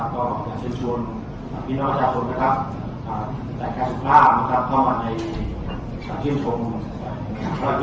ตอนนี้แล้วจะมีคุณสัญญาคุณสัญญาคุณผู้ชาย